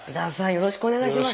よろしくお願いします。